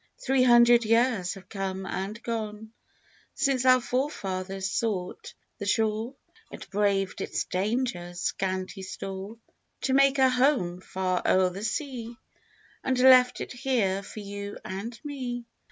Three hundred years have come and gone Since our fore fathers sought the shore, And braved its dangers, scanty store. To make a home far o'er the sea And left it here for you and me.